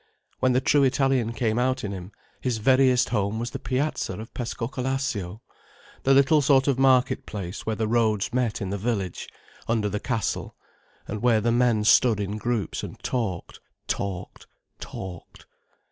When the true Italian came out in him, his veriest home was the piazza of Pescocalascio, the little sort of market place where the roads met in the village, under the castle, and where the men stood in groups and talked, talked, talked.